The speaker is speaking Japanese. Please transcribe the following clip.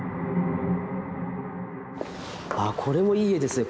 あこれもいい絵ですね。